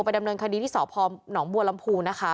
ไปดำเนินคดีที่สพหนบัวลำภู